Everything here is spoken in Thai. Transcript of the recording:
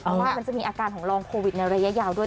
เพราะว่ามันจะมีอาการของรองโควิดในระยะยาวด้วย